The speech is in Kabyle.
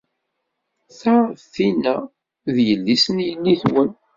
Ta d Nina, d yelli-s n yelli-twen.